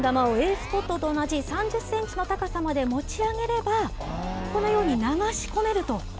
スポットと同じ３０センチの高さまで持ち上げれば、このように流し込めると。